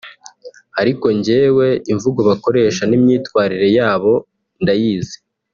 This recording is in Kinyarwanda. ariko njyewe imvugo bakoresha n’imyitwarire yabo ndayizi